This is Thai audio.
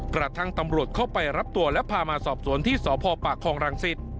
กระทั่งตำรวจเข้าไปรับตัวและพามาสอบสวนที่สพปากคองรังสิต